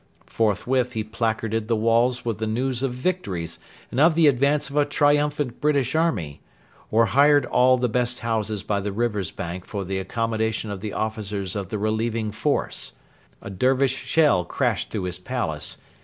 Forthwith he placarded the walls with the news of victories and of the advance of a triumphant British army; or hired all the best houses by the river's bank for the accommodation of the officers of the relieving force. A Dervish shell crashed through his palace.